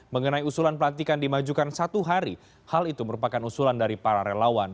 mengenai usulan pelantikan dimajukan satu hari hal itu merupakan usulan dari para relawan